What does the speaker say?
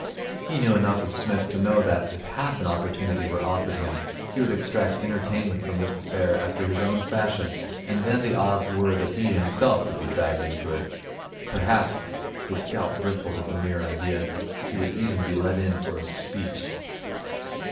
He knew enough of Psmith to know that, if half an opportunity were offered him, he would extract entertainment from this affair after his own fashion; and then the odds were that he himself would be dragged into it. Perhaps his scalp bristled at the mere idea he would even be let in for a speech.